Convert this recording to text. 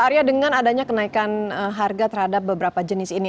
arya dengan adanya kenaikan harga terhadap beberapa jenis ini